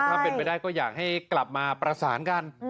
ถ้าเป็นไปได้ก็อยากให้กลับมาประสานกัน